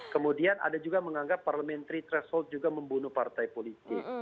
kemudian ada juga menganggap parliamentary threshold juga membunuh partai politik